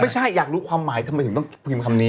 อยากรู้ความหมายทำไมถึงต้องพิมพ์คำนี้